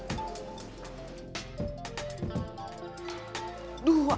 di depan depan